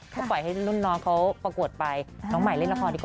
ก็จะพยายามดูแลตัวเองให้ได้มากที่สุด